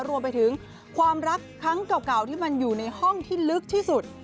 รวมไปถึงความรักครั้งเก่าที่มันอยู่ในห้องที่ลึกที่สุด